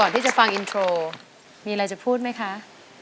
ที่จะฟังอินโทรมีอะไรจะพูดไหมคะ